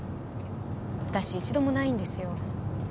私一度もないんですよ。